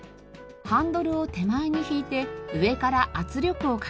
ハンドルを手前に引いて上から圧力をかけると。